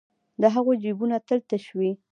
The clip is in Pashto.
د هغوی جېبونه تل تش وي